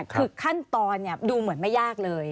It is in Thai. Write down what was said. คือขั้นตอนดูเหมือนไม่ยากเลย